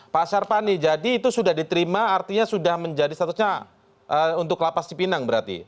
pasar pani jadi itu sudah diterima artinya sudah menjadi statusnya untuk lapas sipinang berarti